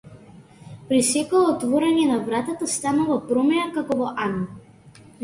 При секое отворање на вратата станува промаја како во ан.